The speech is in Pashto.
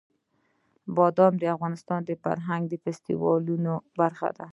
بادام د افغانستان د فرهنګي فستیوالونو برخه ده.